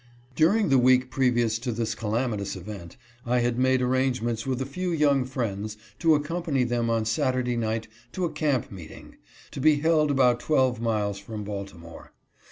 During the week previous to this calamitous event, I had made arrangements with a few young friends to accompany them on Saturday night to a camp meeeting, to be held about twelve miles from Baltimore.